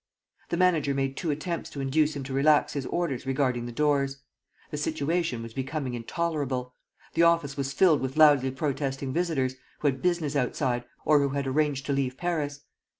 The manager made two attempts to induce him to relax his orders regarding the doors. The situation was becoming intolerable. The office was filled with loudly protesting visitors, who had business outside, or who had arranged to leave Paris.